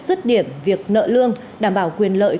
rứt điểm việc nợ lương đảm bảo quyền lợi